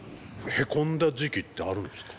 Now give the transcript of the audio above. へこんだ時期ってあるんですか？